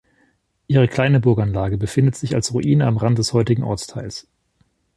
Ihre kleine Burganlage befindet sich als Ruine am Rand des heutigen Ortsteils.